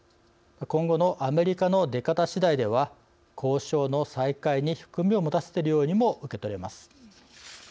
今後のアメリカの出方しだいでは交渉の再開に含みを持たせているようにも受け取れます。